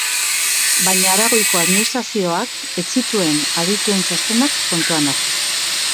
Baina Aragoiko Administrazioak ez zituen adituen txostenak kontuan hartu.